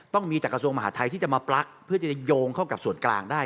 ต้องมีจากกระทรวงมหาทัยที่จะมาปลั๊กเพื่อจะโยงเข้ากับส่วนกลางได้